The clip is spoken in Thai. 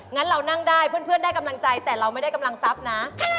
งั้นเรานั่งได้เพื่อนได้กำลังใจแต่เราไม่ได้กำลังทรัพย์นะ